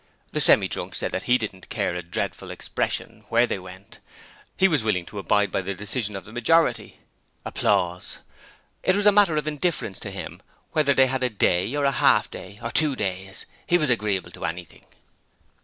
The Semi drunk said that he didn't care a dreadful expression where they went: he was willing to abide by the decision of the majority. It was a matter of indifference to him whether they had a day, or half a day, or two days; he was agreeable to anything.